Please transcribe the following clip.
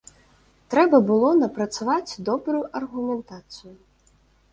Трэба было напрацаваць добрую аргументацыю.